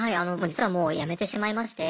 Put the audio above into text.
実はもう辞めてしまいまして。